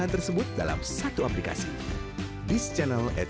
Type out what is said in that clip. terima kasih banyak